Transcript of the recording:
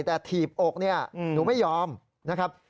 แต่ถีบอกเนี่ยหนูไม่ยอมนะครับ